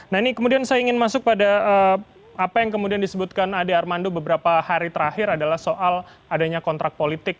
nah ini kemudian saya ingin masuk pada apa yang kemudian disebutkan ade armando beberapa hari terakhir adalah soal adanya kontrak politik